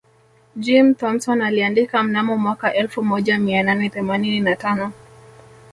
Jim Thompson aliandika mnamo mwaka elfu moja mia nane themanini na tano